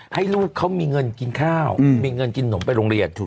ให้ลูกเขามีเงินกินข้าวมีเงินกินนมไปโรงเรียนถูก